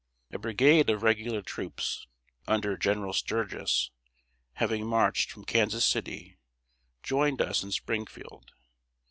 A brigade of regular troops, under General Sturgis, having marched from Kansas City, joined us in Springfield.